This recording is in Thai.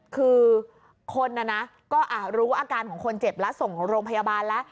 คือคนน่ะนะก็อ่ารู้ว่าอาการของคนเจ็บแล้วส่งรวมพยาบาลแล้ว